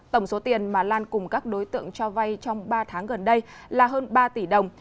tổng số tiền mà lan cùng các đối tượng cho vay trong ba tháng gần đây là hơn ba tỷ đồng